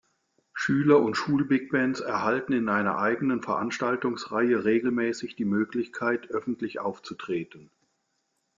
Schüler- und Schul-Big Bands erhalten in einer eigenen Veranstaltungsreihe regelmäßig die Möglichkeit öffentlich aufzutreten.